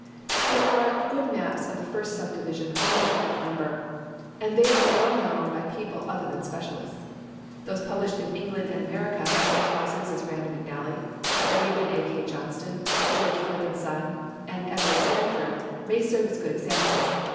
There are good maps of the first subdivision almost without number, and they are well known by people other than specialists. Those published in England and America by such houses as Rand McNally, W. & A. K. Johnston, George Philip & Son, and Edward Stanford may serve as good examples.